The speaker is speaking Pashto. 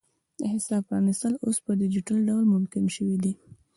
د حساب پرانیستل اوس په ډیجیټل ډول ممکن شوي دي.